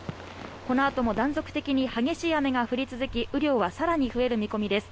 このあとも断続的に激しい雨が降り続き雨量はさらに増える見込みです